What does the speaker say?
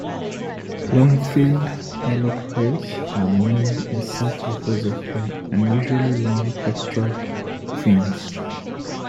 Long-finned pilot whales are known as such because of their unusually long pectoral fins.